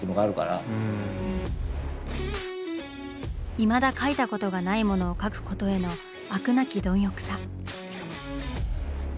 いまだ描いたことがないものを描くことへの飽くなき貪欲さ。